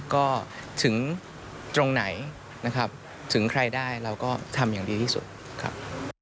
ก็ถึงตรงไหนนะครับถึงใครได้เราก็ทำอย่างดีที่สุดครับ